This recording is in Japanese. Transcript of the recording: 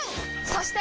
そして！